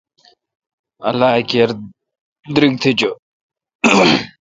اللہ کیر دیرک تھ چو۔